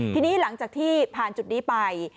ทีนี้หลังจากที่ผ่านจุดนี้ไป